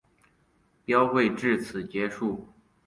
标会至此结束。